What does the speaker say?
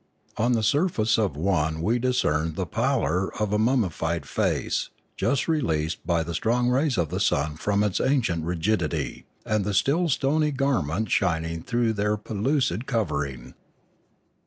On the surface of one we discerned the pallor of a mummied face, just released by the strong rays of the sun from its ancient rigidity, and the 648 Limanora still stony garments shining through their pellucid covering.